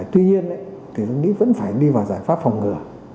tuy nhiên thì tôi nghĩ vẫn phải đi vào giải pháp phòng ngừa